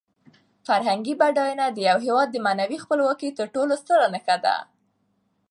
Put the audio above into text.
فرهنګي بډاینه د یو هېواد د معنوي خپلواکۍ تر ټولو ستره نښه ده.